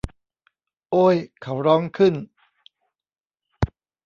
โอ้ย เขาร้องขึ้น